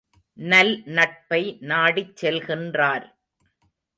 நல்நட்பை நாடிச் செல்கின்றார்!